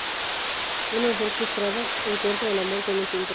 Una mujer frustrada encuentra el amor con un pintor.